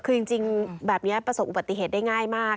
คือจริงแบบนี้ประสบอุบัติเหตุได้ง่ายมาก